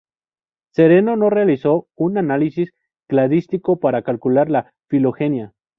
Sereno no realizó un análisis cladístico para calcular la filogenia.